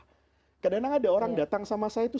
kadang kadang ada orang datang sama saya itu